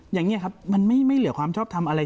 อย่างนี้ครับมันไม่เหลือความชอบทำอะไร